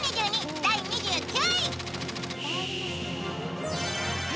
第２９位。